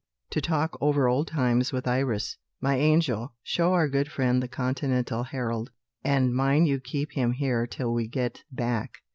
to talk over old times with Iris. My angel, show our good friend the 'Continental Herald,' and mind you keep him here till we get back.